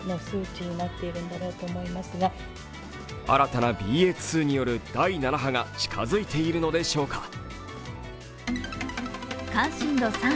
新たなＢＡ．２による第７波が近づいているのでしょうか？